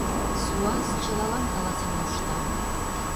Суас чылалан каласен мошта.